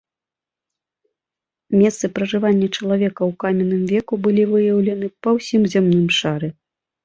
Месцы пражывання чалавека ў каменным веку былі выяўленыя па ўсім зямным шары.